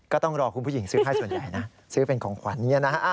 ก็ต้องรอคุณผู้หญิงซื้อให้ส่วนใหญ่นะซื้อเป็นของขวัญนี้นะฮะ